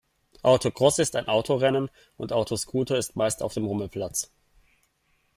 Autocross ist ein Autorennen und ein Autoscooter ist meist auf dem Rummelplatz.